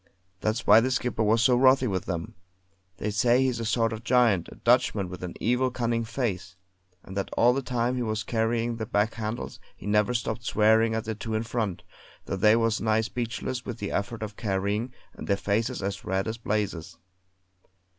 That's why the skipper was so wrathy with them. They say he's a sort of giant, a Dutchman with an evil, cunning face; and that all the time he was carrying the back handles he never stopped swearing at the two in front, though they was nigh speechless with the effort of carrying, and their faces as red as blazes.